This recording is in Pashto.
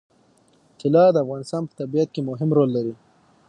طلا د افغانستان په طبیعت کې مهم رول لري.